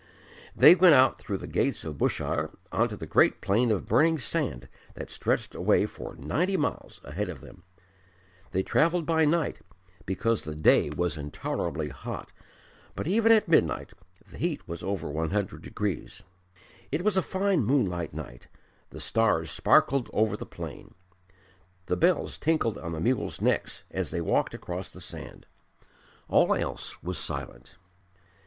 They went out through the gates of Bushire on to the great plain of burning sand that stretched away for ninety miles ahead of them. They travelled by night, because the day was intolerably hot, but even at midnight the heat was over 100 degrees. It was a fine moonlight night; the stars sparkled over the plain. The bells tinkled on the mules' necks as they walked across the sand. All else was silent.